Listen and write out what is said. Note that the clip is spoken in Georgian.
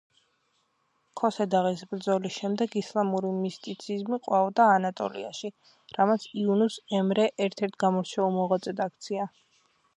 ქოსე-დაღის ბრძოლის შემდეგ ისლამური მისტიციზმი ყვაოდა ანატოლიაში, რამაც იუნუს ემრე ერთ-ერთ გამორჩეულ მოღვაწედ აქცია.